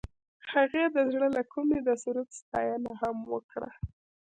هغې د زړه له کومې د سرود ستاینه هم وکړه.